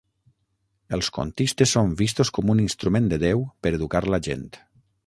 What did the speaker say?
Els contistes són vistos com un instrument de Déu per educar la gent.